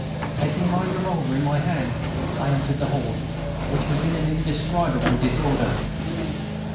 Taking my revolver in my hand, I entered the hall, which was in indescribable disorder.